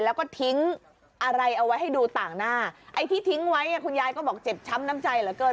แล้วก็ทิ้งอะไรเอาไว้ให้ดูต่างหน้าไอ้ที่ทิ้งไว้คุณยายก็บอกเจ็บช้ำน้ำใจเหลือเกิน